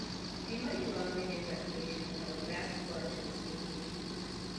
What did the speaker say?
A money-laundering investigation uncovered a vast corruption scheme.